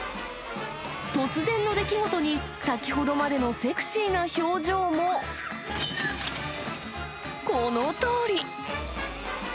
突然の出来事に、先ほどまでのセクシーな表情も、このとおり。